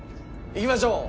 いきましょう。